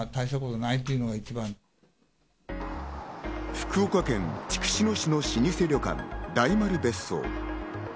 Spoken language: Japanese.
福岡県筑紫野市の老舗旅館・大丸別荘。